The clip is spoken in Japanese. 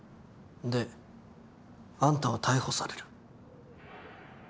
であんたは逮捕される。